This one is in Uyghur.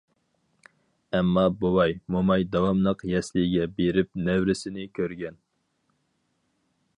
ئەمما بوۋاي- موماي داۋاملىق يەسلىگە بېرىپ نەۋرىسىنى كۆرگەن.